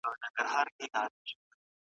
د ورځې پیل لپاره متوازن خواړه مهم دي.